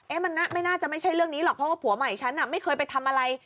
มันไม่น่าจะไม่ใช่เรื่องนี้หรอกเพราะว่าผัวใหม่ฉันไม่เคยไปทำอะไร